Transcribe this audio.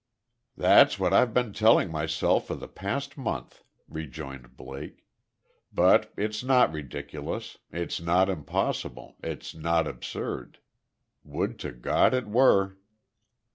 "That's what I've been telling myself for the past month," rejoined Blake.... "But it's not ridiculous it's not impossible it's not absurd. Would to God it were!"